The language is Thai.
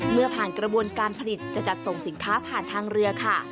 เมื่อผ่านกระบวนการผลิตจะจัดส่งสินค้าผ่านทางเรือค่ะ